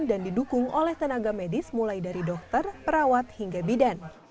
dan didukung oleh tenaga medis mulai dari dokter perawat hingga bidan